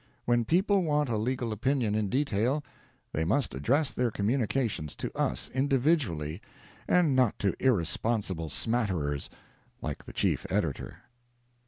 When people want a legal opinion in detail, they must address their communications to us, individually, and not to irresponsible smatterers, like the chief editor.